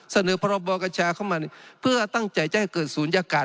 เสนอพรบกัญชาเข้ามาเพื่อตั้งใจจะให้เกิดศูนยากาศ